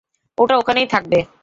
ওটা ওখানেই থাকবে।